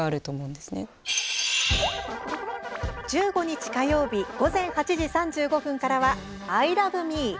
１５日、火曜日午前８時３５分からは「アイラブみー」。